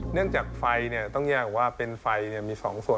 จากไฟต้องแยกว่าเป็นไฟมี๒ส่วน